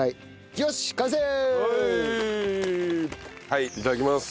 はいいただきます。